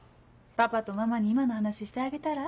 パパとママに今の話してあげたら？